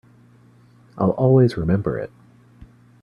I'll always remember it.